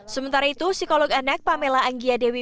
sementara itu psikolog anak pamela anggia dewi